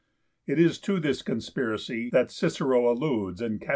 It is to this conspiracy that Cicero alludes in Cat.